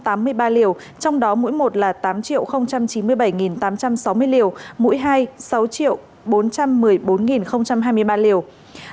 trong đó mũi một là tám chín mươi bảy tám trăm sáu mươi liều mũi hai là sáu bốn trăm một mươi bốn hai mươi ba liều